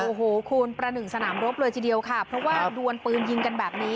โอ้โหคุณประหนึ่งสนามรบเลยทีเดียวค่ะเพราะว่าดวนปืนยิงกันแบบนี้